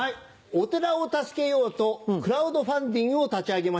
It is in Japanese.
お寺を助けようとクラウドファンディングを立ち上げました。